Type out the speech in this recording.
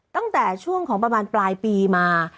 ตั้งแต่ช่วงของประมาณปลายปีมา